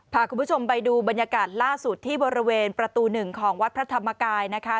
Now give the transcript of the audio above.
พาคุณผู้ชมไปดูบรรยากาศล่าสุดที่บริเวณประตูหนึ่งของวัดพระธรรมกายนะคะ